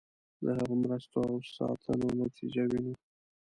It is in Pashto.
د هغه مرستو او ساتنو نتیجه وینو.